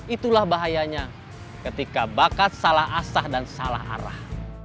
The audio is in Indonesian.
itulah bahayanya ketika bakat salah asah dan salah arah